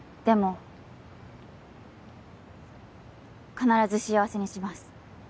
必ず幸せにします